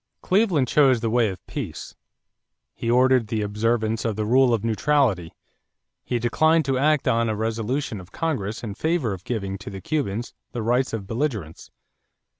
= Cleveland chose the way of peace. He ordered the observance of the rule of neutrality. He declined to act on a resolution of Congress in favor of giving to the Cubans the rights of belligerents.